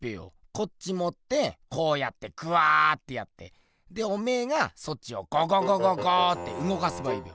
こっちもってこうやってグワーッてやってでおめぇがそっちをゴゴゴゴゴーってうごかせばいいべ。